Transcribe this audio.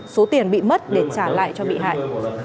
số tiền bị mất để trả lại cho bị hại